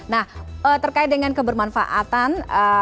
nah terkait dengan kebermanfaatan